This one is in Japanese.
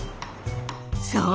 そう。